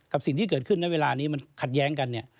สิ่งที่เกิดขึ้นในเวลานี้มันขัดแย้งกันเนี่ย